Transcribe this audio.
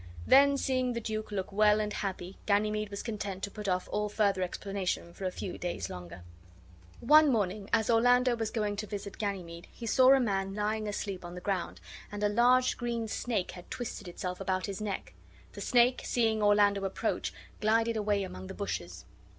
Then seeing the duke look well and happy, Ganymede was content to put off all further explanation for a few days longer. One morning, as Orlando was going to visit Ganymede, he saw a man lying asleep on the ground, and a large green snake had twisted itself about his neck. The snake, seeing Orlando approach, glided away among the bushes.